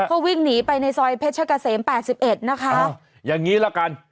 เขาวิ่งหนีไปในซอยเพชรเชิกาเสม๘๑นะคะอ่าอย่างงี้ล่ะกัน